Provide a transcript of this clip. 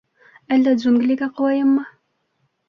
— Әллә джунглиға ҡыуайыммы?